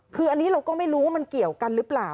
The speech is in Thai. คืออันนี้เราก็ไม่รู้ว่ามันเกี่ยวกันหรือเปล่า